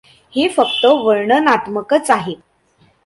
हे फक्त वर्णनात्मकच आहे.